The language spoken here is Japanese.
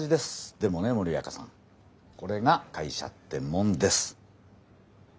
でもね森若さんこれが会社ってもんです。